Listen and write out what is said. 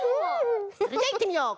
それじゃいってみよう！